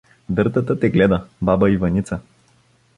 Дъртата те гледа, баба Иваница.